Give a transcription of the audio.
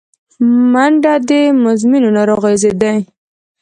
منډه د مزمنو ناروغیو ضد ده